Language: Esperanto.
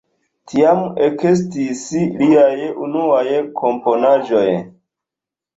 Tiam ekestis liaj unuaj komponaĵoj.